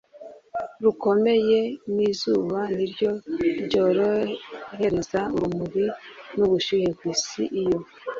rukomeye n izuba ni ryo ryohereza urumuri n ubushyuhe ku isi iyo